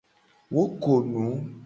Wo ko nu.